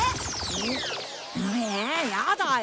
ん？えやだよ。